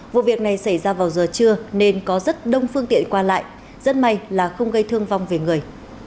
vụ việc này xảy ra vào giờ trưa nên có rất đông phương tiện qua lại rất may là không gây thương vong về người